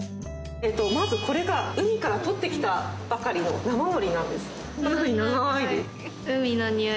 まずこれが海からとってきたばかりの生のりなんです